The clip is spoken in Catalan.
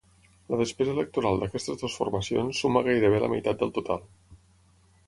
La despesa electoral d’aquestes dues formacions suma gairebé la meitat del total.